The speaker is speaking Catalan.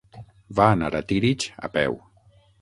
Va anar a Tírig a peu.